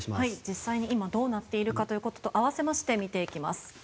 実際に今どうなっているかと併せまして、見ていきます。